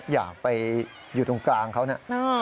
อยากไปอยู่ตรงกลางเขานะ